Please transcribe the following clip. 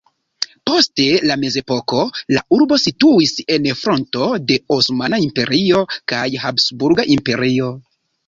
Post la mezepoko la urbo situis en fronto de Osmana Imperio kaj Habsburga Imperio.